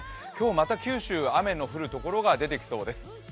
また九州雨の降る所が出てきそうです。